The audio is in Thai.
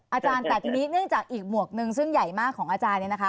อาจารย์แต่ทีนี้เนื่องจากอีกหมวกหนึ่งซึ่งใหญ่มากของอาจารย์เนี่ยนะคะ